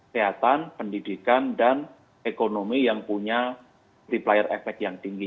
kesehatan pendidikan dan ekonomi yang punya multiplier effect yang tinggi